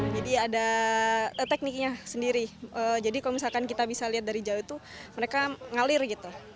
jadi ada tekniknya sendiri jadi kalau misalkan kita bisa lihat dari jauh itu mereka ngalir gitu